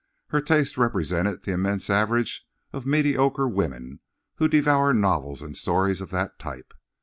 Her taste represented the immense average of mediocre women who devour novels and stories of that type.